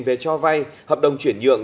về cho vay hợp đồng chuyển nhượng